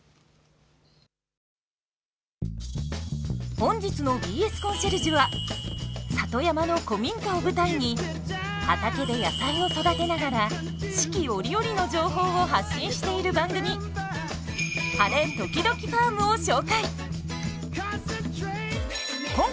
本日の「ＢＳコンシェルジュ」は里山の古民家を舞台に畑で野菜を育てながら四季折々の情報を発信している番組「晴れ、ときどきファーム！」を紹介。